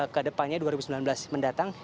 kedepannya dua ribu sembilan belas mendatang